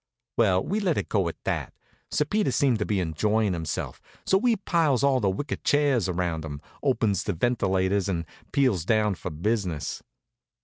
Well, we let it go at that. Sir Peter seemed to be enjoying himself; so we piles all the wicker chairs around him, opens the ventilators, and peels down for business.